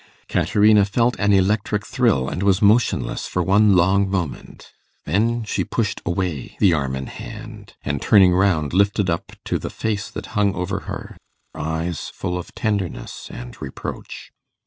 Caterina felt an electric thrill, and was motionless for one long moment; then she pushed away the arm and hand, and, turning round, lifted up to the face that hung over her eyes full of tenderness and reproach.